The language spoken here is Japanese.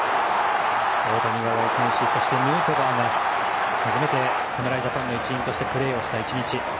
大谷のホームランそしてヌートバーが初めて侍ジャパンの一員としてプレーをした１日。